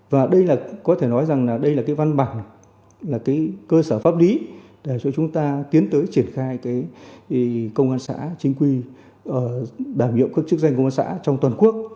và đây có thể nói rằng là đây là cái văn bằng là cái cơ sở pháp lý để cho chúng ta tiến tới triển khai cái công an xã chính quy đảm nhiệm các chức danh công an xã trong toàn quốc